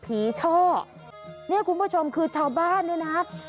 ผีช่อคุณผู้ชมคือชาวบ้านด้วยนะ